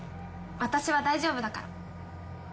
私は大丈夫だから。